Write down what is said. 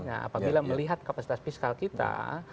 nah apabila melihat kapasitas fiskal kita